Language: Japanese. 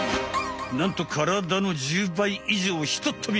なんと体の１０倍以上ひとっ飛び！